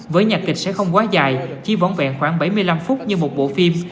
với nhạc kịch sẽ không quá dài chỉ võng vẹn khoảng bảy mươi năm phút như một bộ phim